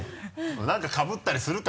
何かかぶったりするか？